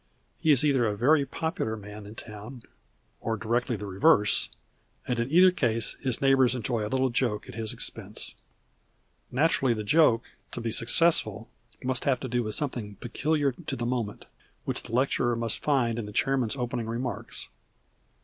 He is either a very popular man in town, or directly the reverse, and in either case his neighbors enjoy a little joke at his expense. Naturally the joke, to be successful, must have to do with something peculiar to the moment, which the lecturer must find in the chairman's opening remarks.